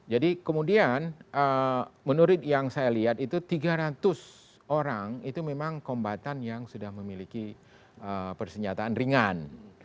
jadi kemudian menurut yang saya lihat itu tiga ratus orang itu memang kombatan yang sudah memiliki persenjataan ringan